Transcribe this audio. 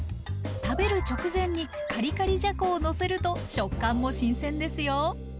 食べる直前にカリカリじゃこをのせると食感も新鮮ですよ。